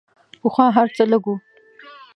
پخوا هر څه لږ وو.